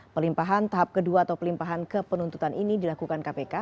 pelimpahan tahap kedua atau pelimpahan kepenuntutan ini dilakukan kpk